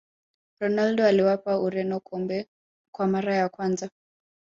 ronaldo aliwapa ureno kombe kwa mara ya kwanza